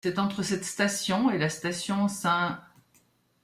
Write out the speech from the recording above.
C'est entre cette station et la station St.